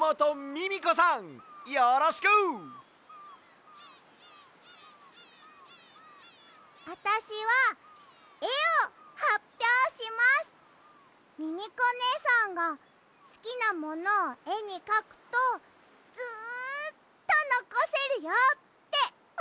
ミミコねえさんがすきなものをえにかくとずっとのこせるよっておしえてくれたの。